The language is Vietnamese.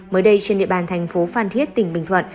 mới đây trên địa bàn thành phố phan thiết tỉnh bình thuận